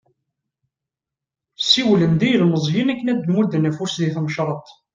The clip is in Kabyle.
Siwlen-d i yilmeẓyen akken ad d-mudden afus di tmecreḍt.